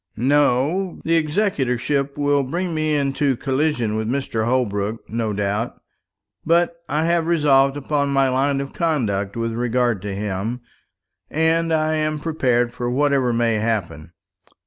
"No. The executorship will bring me into collision with Mr. Holbrook, no doubt; but I have resolved upon my line of conduct with regard to him, and I am prepared for whatever may happen.